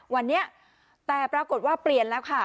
วันนี้แต่ปรากฏว่าเปลี่ยนแล้วค่ะ